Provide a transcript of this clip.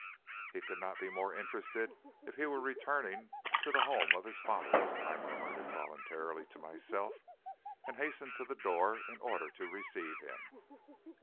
"He could not be more interested if he were returning to the home of his fathers," I murmured involuntarily to myself, and hastened to the door in order to receive him.